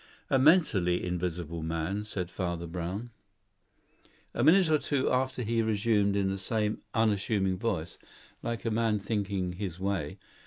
"A mentally invisible man," said Father Brown. A minute or two after he resumed in the same unassuming voice, like a man thinking his way.